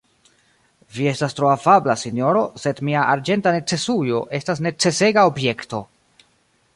Vi estas tro afabla, sinjoro, sed mia arĝenta necesujo estas necesega objekto.